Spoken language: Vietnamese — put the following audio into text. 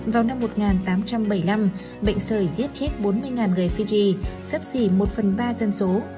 vào năm một nghìn tám trăm bảy mươi năm bệnh sởi giết chết bốn mươi người fiji sấp xỉ một phần ba dân số